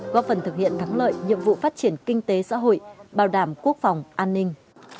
góp phần thực hiện thắng lợi nhiệm vụ phát triển kinh tế xã hội bảo đảm quốc phòng an ninh